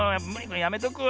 やめとくわ。